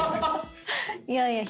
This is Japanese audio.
いやいや。